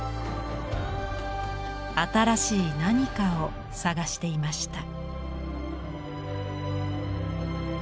新しい何かを探していました。